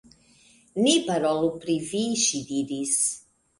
Ni parolu pri vi, ŝi diris.